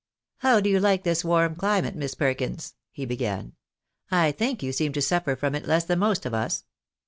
" How do you like this warm climate, Miss Perkins ?" he began. " I think you seem to suffer from it less than most of us."